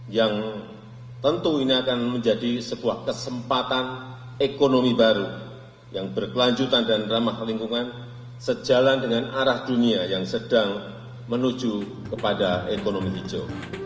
yang tentu ini akan menjadi sebuah kesempatan ekonomi baru yang berkelanjutan dan ramah lingkungan sejalan dengan arah dunia yang sedang menuju kepada ekonomi hijau